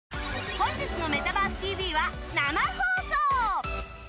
本日の「メタバースＴＶ！！」は生放送！